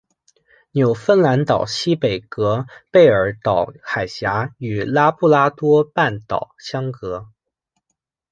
纽芬兰岛西北隔贝尔岛海峡与拉布拉多半岛相隔。